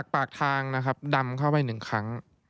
ปากทางนะครับดำเข้าไป๑ครั้ง